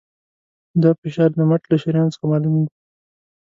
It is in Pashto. دا فشار د مټ له شریان څخه معلومېږي.